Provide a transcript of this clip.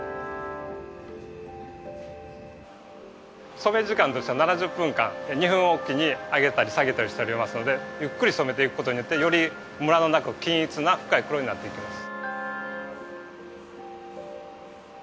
染め時間としては７０分間２分おきに上げたり下げたりしておりますのでゆっくり染めていくことによってよりムラのなく均一な深い黒になっていきます